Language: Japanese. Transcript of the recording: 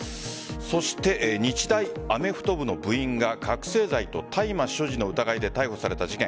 そして、日大アメフト部の部員が覚せい剤と大麻所持の疑いで逮捕された事件。